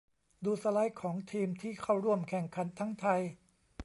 ดูสไลด์ของทีมที่เข้าร่วมแข่งขันทั้งไทย